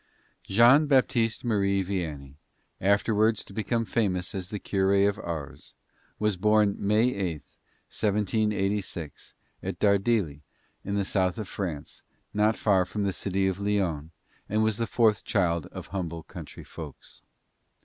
JEAN Baptist Marie Vianney, afterwards to become famous as the cure of Ars, was born May 8th, 1786, at Dardilly, in the South of France, not far from the City of Lyons, and was the fourth child of humble country folks.